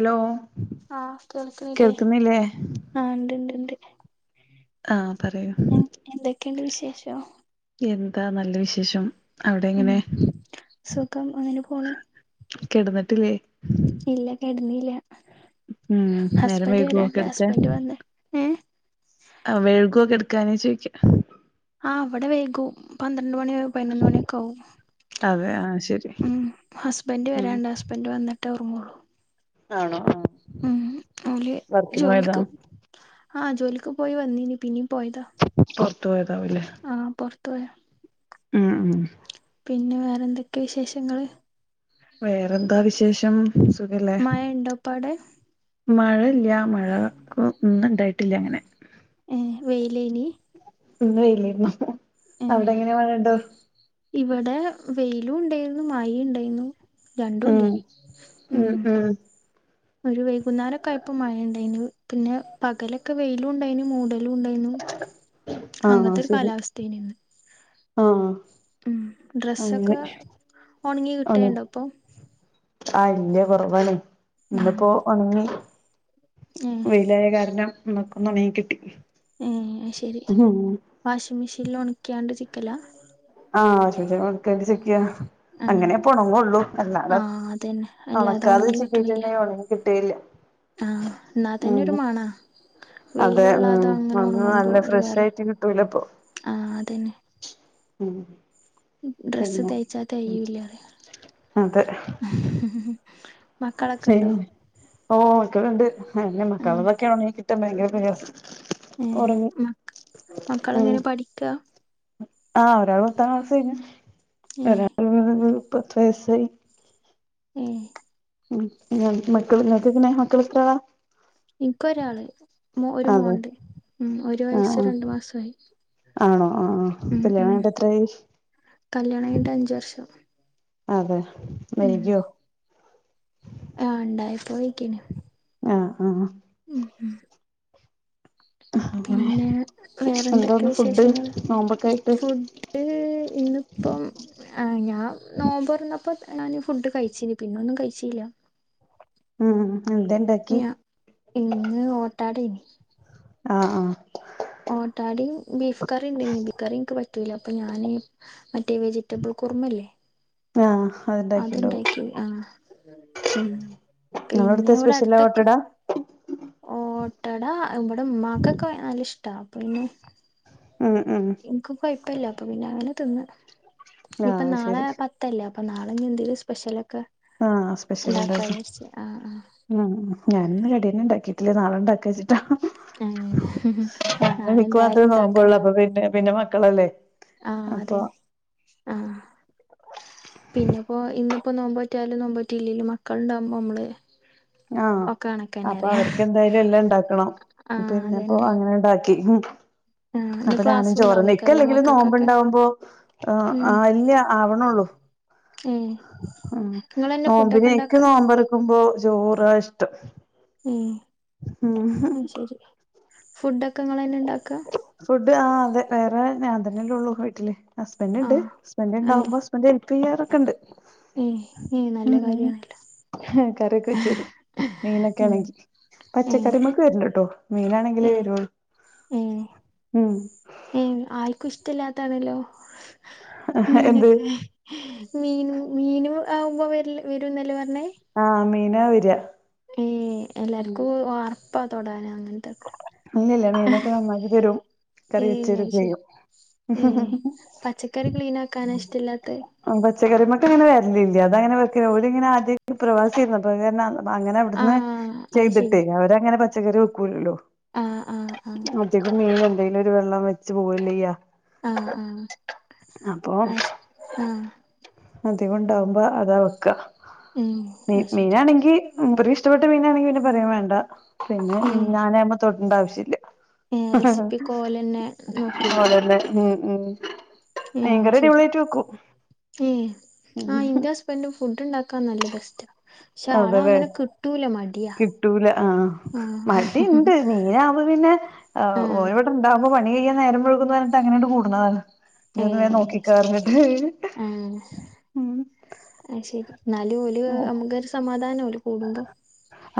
Hello ആ കേൾക്ണില്ലേ. കേൾക്കുന്നില്ലേ ആ ഇണ്ട്ണ്ട്ണ്ട് ആഹ് പറയൂ ഇണ്ട് എന്തൊക്കെയുണ്ട് വിശേഷം എന്താ നല്ല വിശേഷം അവിടെ ഉം എങ്ങനെ സുഖം അങ്ങനെ പോണ് കിടന്നിട്ടില്ലേ ഇല്ല. കെട്ന്നില്ല ഉം നേരം വൈകോ വരാണ്ട് കെടക്കാൻ ഹസ്ബൻഡ് വന്ന് ഏഹ് ആ വെഴുകുവോ കെടക്കാൻ ചോയ്ക്ക ആ അവിടെ വൈകും പന്ത്രണ്ട് മണി പതിനൊന്ന് മണിയൊക്കെ ആകും അതെ ആഹ് ശരി ഉം ഹസ്ബൻ്റ് ഉം വരാണ്ട്. ഹസ്ബൻ്റ് വന്നിട്ടേ ഒർങ്ങൊള്ളൂ ആണോ ആഹ് ഉം ഓല് വർക്കിന് പോയതാ ജോലിക്ക്. ഹാ ജോലിക്ക് പോയി വന്നീനി പിന്നിം പോയതാ പൊറത്ത് പോയതാവൂല്ലേ ആഹ് പൊറത്തു പോയാ ഉം ഉം പിന്നെ വേറെന്തൊക്കെ വിശേഷങ്ങള് വേറെന്താ വിശേഷം സുഖല്ലേ മയ ഉണ്ടോ ഇപ്പവ്ടെ മഴ ഇല്ല്യ മഴ ക്ക് ഇന്ന് ഇണ്ടായിട്ടില്ല അങ്ങനെ ഏ വെയിലേനി ഇന്ന് വലുന്ന ഏഹ് അവിടെ എങ്ങനെ മഴുണ്ടോ ഇവിടെ വെയിലും ഉണ്ടായിരുന്നു മായ ഉണ്ടായിരുന്നു രണ്ടുണ്ട് ഉം ഉ ഉം ഉം ഒരു വൈകുന്നേരംക്കൊയപ്പ മഴയുണ്ടായന് പിന്നെ പകലൊക്കെ വെയിലും ഉണ്ടായന് മൂട ണ്ടായിരുന്നു അങ്ങത്തെ ഒരു കാലാവസ്ഥയിന്നന്ന് ആഹ ഉം ഡ്രസ്സൊക്കെ ഉണങ്ങി കിട്ടണ്ടോ അപ്പൊ ആഹ ഇല്ല കുറവാണ് ഉം ഇന്റെപ്പോ ഉണങ്ങി ഏ വയിലായ കാരണം നക്കൊന്നമീ കിട്ടി ഏ ശെരി ഉം വാഷിംഗ മെഷീനിൽ ഉണിക്കാണ്ട് ചിക്കല ആഹ് ശുചക്ക ചക്കിയ ആ അങ്ങനെ ഉണങ്ങള്ളൂ ആ കാട അതന്നെ അല്ലാതെ ഉണക്കാതെ ചട്ട ഉണ ട്ടേല് ആഹ നാ തന്നെരു മണാ അതെ ഉ വെയിലൊള്ളാതെ അങ്ങനെ വന്ന് ഉണങ്ങുമ്പോ നല്ല ഒരു ഫ്രഷ വേറെ ആയിട്ട് കിട്ടൂലപ്പോ ആ അതന്നെ ഉം ഡ്രസ്സ് പിന്ന തേച്ചാ തേയൂല്ല അതെ മക്കളൊക്കെ ഉണ്ടോ ഓ ഒക്കളണ്ട് അെ മക്കളതൊക്കെയണണ കിട്ടാൻ ഭയങ്കര പേർ ഏ മ മക്കള ഉം എങ്ങനെ പഠിക്ക ആഹ് ഒരാള് പത്ത സു ഉഏ പത്ത് വസ ഉം ഉം നഞ മക്കള നക്കക്കനെ മക്കള ഇത്രവാ നിനിക്ക ഒരാള് മ ഒരു അതെ മോണ്ട് ഉം ഒരു ആ ആ വയസ് രണ്ടു മാസമായി ആണോ ആ ആ ഉ ഉ കല്യാണം കഴിഞ്ഞിട്ട് എത്രായി കല്യാണം കഴിഞ്ഞിട് അഞ്ചു വർഷം അതെ വൈജോ ആഹ ഉണ്ടായി പോയിക്കണ ആഹ് ആഹ ഉം ഉം അങ്ങനെ പിന്നെ വേറെന്തൊക്കെ എന്താന്ന് ഫുഡ് വിശേഷങ്ങ നോമ്പൊക്കെ ആയിട്ട് ഫുഡ് ഇന്നിപ്പം ഞാൻ നോമ്പറന്ന പ്പൊ ഞാൻീ ഫുഡ് കഴിച്ചിന് പിന്നൊന്നും കഴിച്ചില്ല ഉം എന്താ ഇണ്ടാക്കി [inaudible] ഇന്ന് ഓട്ടാടയും ആ ആ ഓട്ടാടും ബീഫ് കറി [unintelligible] കറി എനിക്ക് പറ്റൂല അപ്പൊ ഞാന് മറ്റേ വെജിറ്റബിൾ കുറുമല്ലേ ആഹ അത്ണ്ടാക്കിണ്ടാവും അത്ണ്ടാക്കി ആ പിന്നെ നിങ്ങളടുത്തെ ഇവിടെ സ്പെഷ്യല ഓട്ടടാ [unintelligible] ഇവടെ ഉമ്മാക്കൊക്കെ നല്ല ഇഷ്ടാ അപ്പ പിന്നെ ഉം ഉം എനിക്ക്ും കുഴപ്പില്ല അപ്പൊ പിന്നെ അങ്ങനെ തിന്ന് ആ ഇപ്പൊ നാളെ ശരി പത്തല്ലേ അപ്പൊ നാളെ എന്തേും സ്പെഷ്യലൊക്കെ ആ സ്പെഷ്യൽ ഉണ്ടാക്കാ ഉണ്ടും വിചാരിച്ച് ആ ഉ ഞാനൊ [inaudible] ഉണ്ടാക്കിട്ടില്ല നാളെണ്ടാക്കാ് ആ ഏഹ് അ നാളെ എനിക്ക് എന്തായാലും മാത്രമേ നോമ്പോള്ളൂ ഉണ്ടാക്കണേ അപ്പൊ പിന്നെ പിന്നെ മക്കളല്ലേ ആ അതെ അപ്പൊ ആ പിന്നെപ്പോൊ ഇന്ന് ഇപ്പ നോമ്പോറ്റാലും നോബോറ്റിലേലും മക്കളുണ്ടാവുമ്പോ നമ്മള് ആഹ ഒക്കെ കണക്കന്നെ അപ്പൊ അറിയാ അവർക്ക് എന്തായാലും എല്ലാം ഉണ്ടാക്കണം ആ പിന്നെപ്പോ അതന്നെ അങ്ങനെണ്ടാക്കി [inaudible] [inaudible] അപ്പൊ ഞാനും ചോറന്ന ഉണ്ടാവേക്കാരല്ലേ ഇക്കല്ലെങ്കിലും മക്കൾക്കൊക്കെ നോമ്പണ്ടാവുമ്പോ ആ ഉം ആ അല്ല ആവണള്ളൂ ഏഹ് ആ ഇങ്ങളെന്നെ നോമ്പിന ഫുഡൊക്കെ ഇക്ക് ഇണ്ടാക്കാ നോമ്പറക്കുമ്പോ ചോറാ ഇഷ്ടം ഉം ആ ശരി ഫുഡൊക്കെ നിങ്ങളെ ന്നെ ഇണ്ടാക്ക ആ അതെ വേറെ ഞാൻ തന്നെല്ലേ ഉള്ളൂ വീട്ടില് ഹസ്ബൻന്റ് ഉണ്ട് ആഹ് ഹസ്ബൻഡറ് ഏഹ് ഉണ്ടാവുമ്പോ ഹസ്ബൻ ചെയ്യറൊക്കെ ഇണ്ട് ഏഹ് ഏഹ് നല്ല കാര്യാണല്ലോ കറീക്കെ വെച്ച തരും മീനൊക്കെ ഉം ആണെങ്കിൽ ഏഹ് പച്ചക്കറിമക്ക് വരില്ലട്ടോ മീനാണെങ്കിലേ വരുൂ ഉം ഉം ഉം ആൾക്കും ഇഷ്ടല്ലാത്താണല്ലോ എന്ത് മീനൊക്കെ മീനും മീനും ആവുമ്പോ വരുന്നല്ലേ പറ ആഹ മീന വരിഅഹ് ഏ എല്ലാർക്കും അർപ്പ തൊടാന അങ്ങന ഇല്ലല്ലീ മിനൊക്കെ നന്നാക്കി തരുും കറി ഏഹ് അത് വെച്ചരുക്കയും ശരി ചെയ്യും ഏഹ് പച്ചക്കറി ക്ലീൻ ആക്കാനാ [unintelligible] [unintelligible] ഇഷ്ടല്ലാത്തെ ഇപ്പൊ അങ്ങിനെ വരലില്ല അത് പ്രവാസി ആയിരുന്നപ്പോൾ അപ്പ അങ്ങനെ അവിടുന്ന് ആഹ് ചെയ്തിട്ടേ അവരങ്ങനെ പച്ചക്കറി വെക്കൂലല്ലോ ആഹ ആഹ് ആഹ ഇയിലൊരു വെള്ളം വെച്ച് പോവയില്ല്യ ചെയ്യാ ആഹ് ആഹ ശെരി ആഹ അതികം കൊണ്ടാവുമ്പോ അതാ വെക്ക ഉം മ അത് ശരി മീനാണെങ്കി മൂപ്പർ ക്ക് ഇഷ്ടപ്പെട്ട മീനാണെങ്കി പിന്നെ പറയാൻ വേണ്ട പിന്നെ ഉം ഞാന ആയിമ്പേ തൊട്ടേണ്ട ആവശ്യമില്ല ഏഹ് റെസിപ്പിയൊക്കെ ഓലന്നെ [inaudible] [inaudible] നോക്കിയോളും ആണല്ലെ ഉ ഉ ഉം മീൻകറി അടിപൊളി ശരി യായിട്ടു വെക്കും ഏഹ് ആഹ് ഇന്റെ ഹസ്ബൻഡ് ഫുഡ്ണ്ടാക്കാൻ നല്ല ബെസ്റ്റാ പക്ഷെ ആള അങ്ങനെ അതല്ലേ കിട്ടൂല മടിയാ കിട്ടൂല ആഹ ആഹ് മടി ഉണ്ട് മീനാവുമ്പോ പിന്നെ ആഹ് ഓരവിട ഇണ്ടാവകുമ്പോ നീയായ നേരം വഴുകും ന്നു പറഞ്ഞിട്ട് കൂടുന്നതാണ് ഇജോന്നു വേഗം ഏഹ് നോക്കിക്കന്ന് പറഞ്ഞിട്ട് ആ ശരി എന്നാലും ഓല് നമുക്കൊരു സമാധാനം ലോ കൂടുമ്പോ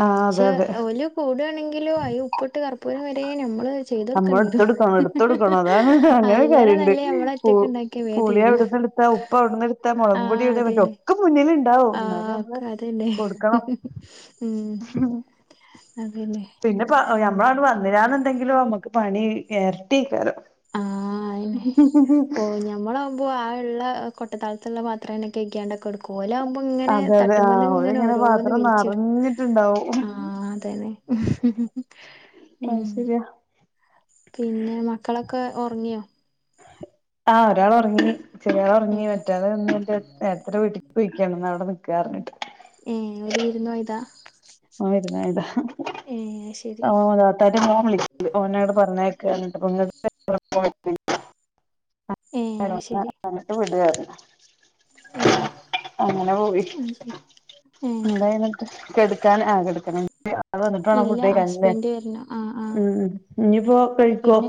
ആഹ് അതെ അതെ പക്ഷെഓല് ക ഓല് വെക്കാണെങ്കിലും അയിൽ ഉപ്പ് ഇട്ട് കർപ്പൂരം വരെ നമ്മൾ ചയ്തു നമ്മള് കൊടുക്കേണ്ടി വരും എടുത്തൊടുക്കണം എടുത്തൊടുക്കണം അതാണ് അങ്ങനെ നല്ലേ നമ്മള് ഒറ്റക്ക് ഉണ്ടാക്കിയ വേം പുളി തീരും അവിടന്ന് ഇടുത്ത ഉപ്പ് അവിടുന്ന് എടുത്ത മുളക് പൊടി ആഹ് എവിടെ അതന്നെ ഒക്കെ മുന്നിൽ ഇണ്ട് ണ്ടാവും എന്നാല് ആഹ് നമ്മള് ഒക്കെ അതന്നെ കൊടുക്കണം ഉം അതന്നെ പിന്നെപ്പോ ഞമ്മള അവിട്ന്ന് വന്നിരാന്നുണ്ടെങ്കിലും നമ്മുക്ക് പണി ഇരട്ടിക്കാരം. ആ അനെ ഓ ഞമ്മള് ആകുമ്പോ ആ ഉള്ള കൊട്ടതളത്തിൽ പത്രം തെന്നെകഴി ക്കാണ്ടൊക്കെ എടുക്കും ഓല ആകുമ്പോ ഇങ്ങനെ അതെ അതെ ആഹ് തട്ടുമ്മേ ഇങ്ങനെ ഓരിങ്ങനെ ഓരോന്ന് പാത്രം വലിച്ചിടും നറഞ്ഞിട്ടുണ്ടാവും ആ അതെ അതെന്നെ [unintelligible] അത്ശരിയാ പിന്നെ മക്കളൊക്കെ ഉറങ്ങിയോ ആഹ ഒരാൾ ഉറങ്ങി ചെറിയാൾ ഉറങ്ങി ഏഹ് മറ്റത് നിന്ന്നേരത്തെ ഏട്ടന്റെവീട്ടിക്ക് പോയിക്കാണ് അവിടെ നി ന്നു പറഞ്ഞിട്ട് ഏ ഒര് വിരുന്ന്പോയതാ ആ വിരുന്ന് പോയതാ ശരി ആ താത്തന്റെ മോൻ വിളക്കിണ്ട് ഓനോട് പറഞ്ഞയാക്കാന്നു പറഞ്ഞിട്ട് ഏ അത് ശരി അങ്ങട്ട് വിട് ഏ അങ്ങനെ പോയി അത് ശരി ഏ എന്തായിന്നിട്ട് ആ കിടക്കണം ആൾ വന്നിട്ട് വേണം ഇല്ല ഫുഡ്കഴിക്കാൻല്ലേ ഹസ്ബൻഡ് വരണം ആ ആ ഉം ഉം ഇനിയിപ്പോ കഴി പിന്നെ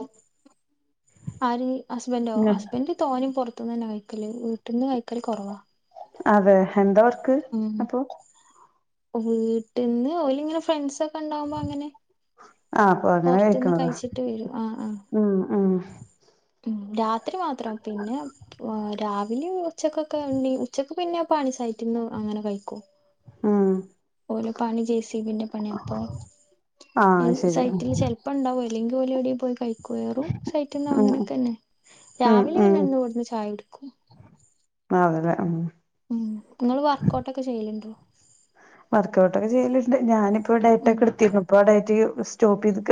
ആര് ഹുസ്ബൻഡ്ഓ ഇങ്ങ ഹസ്ബഇന്റ് തോനെയും പുറത്തുന്ന് തന്നെയാ കഴിക്കല് വീട്ടിൽന്നന്ന് കഴിക്കല് കൊറവാ കുറവാ. അതെ എന്താവർക്ക് ഉം അപ്പൊ വീട്ടിൽന്ന് ഓല് ഇങ്ങനെ ഫ്രണ്ട്സ് ഒക്കെ ഉണ്ടാവുമ്പോ ഇങ്ങനെ ആ അപ്പൊ അങ്ങനെ കഴിക്കണതാ ആ ആ ഉം ഉം ഉം രാത്രി മാത്രം പിന്നെ രാവിലെ ഉച്ചക്കൊക്കെ ഉണ്ട ഉച്ചക്ക് പിന്നെയും പണി സൈറ്റിന്ന് അങ്ങനെ കഴിക്കും ആ ഓരെ പണി ജെസിബിന്റെ പണി അപ്പൊ ആ ശരി സൈറ്റില് ചെലപ്പോ ഉണ്ടാവാരി ക്കും അല്ലങ്കി ഓര്എവിടേലും പോയി കഴി കേറും സൈറ്റിനോ ഉം അങ്ങനൊക്കെന്നെ ഉം രാവിലെ ഉം പിന്നെ എന്നുവിടുന്ന് ചായ കുടിക്കും അതല്ലേ അം ഉം നിങ്ങൾ വർക്ക് ഔട്ട്ഓക്കെ ചെയ്ലുണ്ടോ വർക്കഔട്ട് ഒക്കെ ചെയ്ലുണ്ട് ഞാനിപ്പോ ഡയറ്റ് ഉം ഒക്കെ എടുത്തിരുന്നു ഇപ്പ ആ ഡയറ്റ് സ്റ്റോപ്പ് ചെയ്തിക്ക.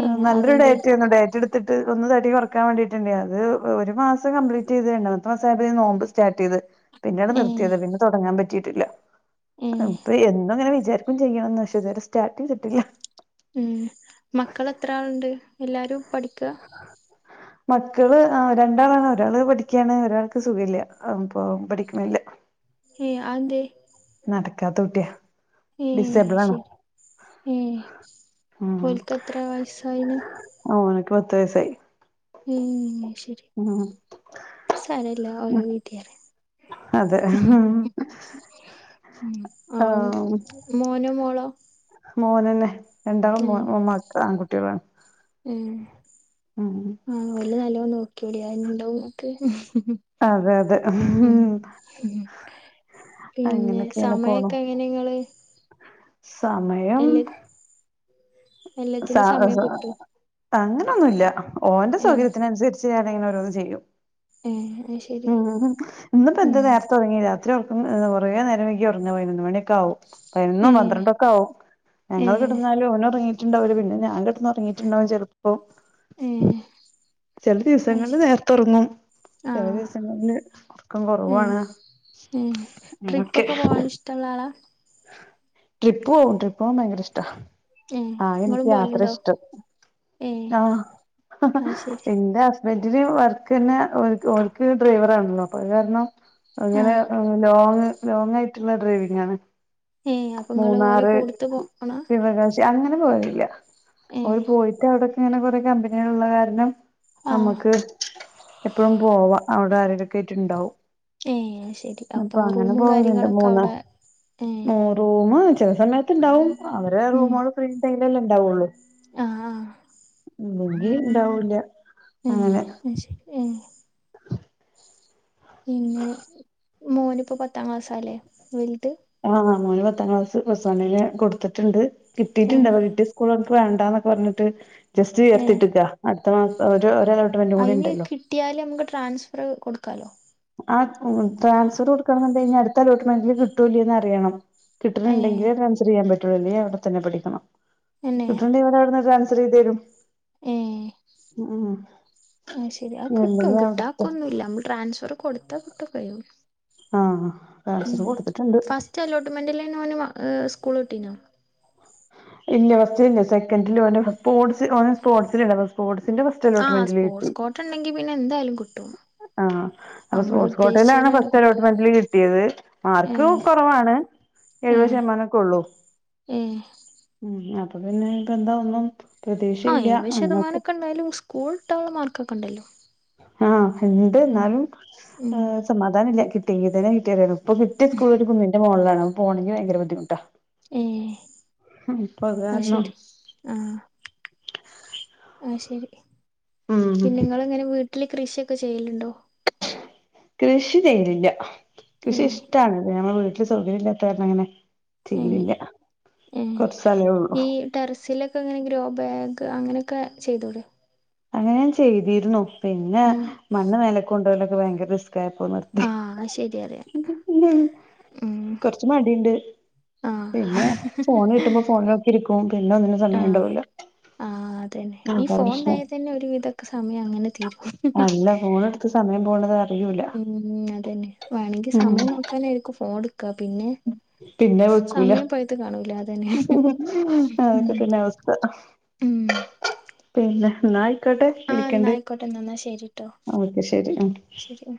ഏ നല്ലൊരു അതെന്തേ ഡയറ്റ് ആരുന്നു ഡയറ്റ എട് എടുത്തിട്ട് ഒന്ന് തട്ടി കുറക്കാൻ വേണ്ടിട്ടുണ്ടണ്ടനത് അത് ഒരു മാസം കംപ്ലീറ്റ് ചെയ്ത്ണ്ട് രണ്ടാമത്തേമാസം ആയപ്പോഴേക്ക് നോമ്പ് സ്റ്റാർട്ട് ചെയ്ത് പിന്നീട് ഏ നിർത്തിയത് പിന്നെ തുടങ്ങാൻ പറ്റിയിട്ടില്ല ഏ അപ്പൊ എന്തും അങ്ങനെ വിചാരിക്കും ചെയ്യണന്ന്പക്ഷേ ഇതുവരെ സ്റ്റാർട്ട് ചെയ്തിട്ടില്ല ഉം പഠിക്കുവാ മക്കള് അ രണ്ടാളാണ് ഒരാള് പഠിക്കയാണ് ഒരാൾക്ക് സുഖമില്ല ഇപ്പൊ പഠിക്കനില്ല. ഏ അഎന്തേയ് നടക്കാത്ത കുട്ടിയ ഏ ശരി ഏ ഉം ഒൽക്ക് എത്ര വയസ്സായിന്ന് ആൾക്ക് പത്ത് വയസായി ഉം ശരി ഉം സാരില്ല ഓരോവിധിയാ അതെ ഹാ ഉം ആ അ മോനോ മോളോ മോഹനന്നെ രണ്ടാളും ഏ മോൻ ഉമാക്ക ആൺകുട്ടികളാണ് ഉം ആഹ വല്ല നല്ലോ നോക്കിട അണ്ടാവും [unintelligible] അതെ അതെ ഉം ഉം. പിന്നെ അങ്ങനൊക്കെയാണ് പോണു സമയക്കെ എങ്ങനെങ്ങള് സമയം എല്ലാത്തിനും സമയം കിട്ടും അങ്ങനെയൊന്നുമ ഇല്ല ഓന്റെ സൗകര്യത്തിനനുസരിച്ച് ഞാാന ഇങ്ങനെഓരോന്ന് ചെയ്യും ഏ അത് ശരി ഉ ഇന്ന് ഉം പന്ത നേർ തുടങ്ങിയ എത്രർക്കും ഒറേ നേരം എങ്കക്ക് കുറഞ്ഞ പതിനൊ മണൊക്കെ ആകും പ ഏ ഇന്നും പന്ത്രണ്ടൊക്കെ ആകവും ഏ ഞങ്ങള്ൾ കിടന്നാലും ഓന ഇറങ്ങി ഉണ്ടാവ പിന്നെ ഞാൻ കിട്ടന്ന് ഇറങ്ങിട്ടുണ്ടാവും ചിലപ്പോ മും ചില ദിവസങ്ങളിൽ നേരത്തെ ഉറങ്ങും. ആ ചില ദിവസങ്ങളില് ഉറക്കം കുറവാണ്. ഉം ട്രിപ്പൊക്കെ പോവാൻ ഇഷ്ടമുള്ള ആളാ. ട്രിപ്പ് പോകവും ട്രിപ്പ് പോകൻ ഭയങ്കര ഇഷ്ട ഏ ആഹ എനിക്ക് ഇങ്ങളും യാത്ര പോവലുണ്ടോ ഇഷ്ടം ഏ ആഹ അത് ശരി എന്താ? ബെഡില് വർക്ക് തന്നെർക്ക് ഡ്രൈവർ ആണല്ലോ അപ്പൊ കാരണം- ആ അങ്ങനെ ലോങ് ലോങ് ആയിട്ടുള്ള ഡ്രൈവിംഗ ആണ് ഏ അപ്പൊ ഇങ്ങള് ഓലെ മൂന്നാറ് കൂടത്ത് പോണ ശിവകാശി അത്ങ്ങനെ പോയുന്നില്ല ഏ അവര് പോയിട്ട് അവിടക്ക ഇങ്ങനെ കൊറെ കമ്പനികള ഉള്ള കാരണം- ആ നമ്മുക്ക് എപ്പഴും പോവാ അവിടെ ആരടൊക്കെ ആയിട്ട്ണ്ടാവും ഏ അത് ശരി അപ്പൊ അങ്ങനെ റൂമും പോകുന്നുണ്ട് കാര്യങ്ങളൊക്കെ മൂന്നാ അവിടെ ഏ [unintelligible] റൂമ് ചെല സമയത്ത്ണ്ടാവും അവരെ റൂമാള് ഫ്രീണ്ടേലല്ലേ ഇണ്ടാവൊള്ളൂ ആഹ് ആഹ് ഇല്ലങ്കി ഇണ്ടാവൂല ഉം ശരി ഉം പിന്നെ മോനിപ്പൊ പത്താ ക്ലാസ്റ്റാല്ലേ വ ആഹ് മോന് പത്താം ക്ലാസ് പ്ലസ് വണ്ണ്ന് കൊടുത്തിട്ട്ണ്ട് ഏ കിട്ടീട്ടില്ല കിട്ടിയാ സ്കൂള് ക്ക് വേണ്ടന്നൊക്കെ പറഞ്ഞിട്ട് ജസ്റ്റ് ഏ എട്ത്തിട്ടക്ക അട്ത്ത മാസം ഒര അലോട്ട്മെന്റൂക്കൂടി അയിന് ഇണ്ടല്ലോ കിട്ടിയാല് നമുക്ക് ട്രാൻസ്ഫർ കൊടുക്കാലോ ആ ഉം ട്രാൻസ്ഫർ കൊടുക്കണന്ന്ണ്ടേല് ഇഞ്ഞ് അടുത്ത അലോട്ട്മെന്റില് കിട്ടൊ ഇല്ലേന്നറിയണം ഏ കിട്ട്ണണ്ടെങ്കില് ഡ്രാൻസഫറെയ്യാൻ പറ്റുള്ളൂ അല്ലേ അവിടെ തന്നെ പഠിക്കണം കിട്ട്ണണ്ടങ്കില് [unintelligible] റ്റ് ചെയ്തേരും ഉം ആ ശരി ആ കിട്ടും ഇല്ലെങ്കി അവിടുത്തെ കിട്ടാക്കൊന്നുല്ല നമ്മള് ട്രാൻസ്ഫർ- കൊടുത്താ കിട്ടൊക്കെയ്യും ആഹ് ഉം ട്രാൻസ്ഫർ കൊടുത്തിട്ടുണ്ട് ഫസ്റ്റ് അലോട്ട്മെന്റിലെന്നെ ഓന് സ്കൂള് കിട്ടീനോ ഇല്ല ഫസ്റ്റിലില്ല സെക്കൻഡില് ഓന്റെ സ്പോർട്സ് ഓന് സ്പോർട്സില്ണ്ട് അപ്പൊ സ്പോർട് ആ സ്പോർട്സ് കോട്ടണ്ടെങ്കി പിന്നെ എന്തായാലും കിട്ടും ആഹ് അപ്പൊ നമ്മള് സ്പോർട്സ് കോട്ടെലാണ് ഉദ്ദേശിച്ചേലന്നെ ഫസ്റ്റ് കിട്ടും അലോട്ട്മെന്റില് കിട്ടിയത് ഏ മാർക്ക് കൊറവാണ് ഏ എഴുപത് ശതമാനക്കൊള്ളൂ ഏ ഉം അപ്പൊ പിന്നെ ഇപ്പന്താ ഒന്നും ആ പ്രതീക്ഷയില്ല എഴുപത് അങ്ങനൊക്കെ ശതമാനൊക്കണ്ടായാലും സ്കൂള് കിട്ടനുള്ള മാർക്കൊക്കെണ്ടല്ലോ ആഹ് ഇണ്ട് എന്നാലും ഉം ഏ സമാധാനല്ല കിട്ടിയങ്കിതന്നെ കിട്ടി [unintelligible] ഇപ്പ കിട്ടിയ സ്കൂള് ഒരു കുന്നിന്റെ മോളിലാണ് പോണെങ്കി ഭയങ്കര ബുദ്ധിമുട്ടാ ഏ നിപ്പ അത് കാരണം ആഹ്ശരി ഉം പിന്നെ നിങ്ങളങ്ങനെ വീട്ടില് കൃഷിയൊക്കെ ചെയ്യല്ണ്ടോ? കൃഷി ചെയ്യലില്ല കൃഷി ഏഹ് ഇഷ്ടാണ് ഞങ്ങളെ വീട്ടില് സൗകര്യം ഇല്ലാത്ത കാരണം അങ്ങനെ ഉം ചെയ്യലില്ല ഉം കുറച്ച് സ്ഥലേ ഉള്ളൂ ഈ ടെറസിലൊക്കെങ്ങനെ ഗ്രോബാ ഗ് അങ്ങനെയൊക്കെ ചെയ്തൂടെ അങ്ങനെ ഞാൻ ചെയ്തിരുന്നു പിന്നെ ഏഹ് മണ്ണ് മേലക്ക് കൊണ്ടോലൊക്കെ ഭയങ്കര റിസ് ക്കായപ്പോ നിർത്തി ആഹ് അത് ശരിയാ അറിയാം ഉം കൊറച്ച് മടിയ്ണ്ട് ആഹ് പിന്നെ ഫോണ് കിട്ടുമ്പോ ഫോണിലൊക്കെ ഇരിക്കും പിന്നെ ഒന്നിനും സമയണ്ടാവൂല്ല ആ അതന്നെ ഈ ഫോൺ ഇണ്ടായ തന്നെ ഒരു വിധൊക്കെ സമയങ്ങനെ തീരും അല്ല ഫോണടുത്ത് സമയം പോണത ഉം അതന്നെ വേണെങ്കിൽ ഉം സമയം നോക്കാനായിരിക്കും ഫോണെടു ക്ക പിന്നെ സമയം പോയത് കാണൂല അ അതൊക്കെതന്നെ അവസ്ഥ ഉം പിന്നെ ന്ന ന്നാ യിക്കോട്ടെ ആഹ് എന്നാ വിളിക്കണ്ട് ആയിക്കോട്ടെ എന്നാ ശരിട്ടോ ഓക്കെ ശരി ശരി.